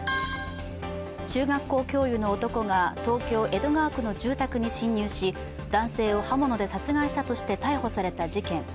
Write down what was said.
中学校教諭の男が東京・江戸川区の住宅に侵入し男性を刃物で殺害したとして逮捕された事件。